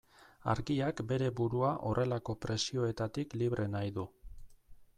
Argiak bere burua horrelako presioetatik libre nahi du.